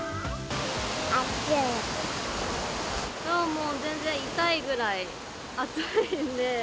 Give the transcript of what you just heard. もう全然、痛いぐらい暑いんで。